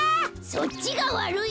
そっちがわるい！